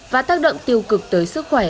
và tác động tiêu cực tới sức khỏe